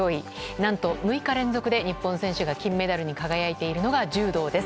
何と６日連続で日本選手が金メダルに輝いているのが柔道です。